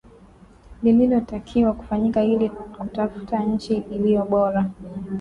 Lililotakiwa kufanyika ili kutafuta nchi iliyo bora